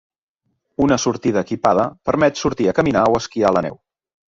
Una sortida equipada permet sortir a caminar o esquiar a la neu.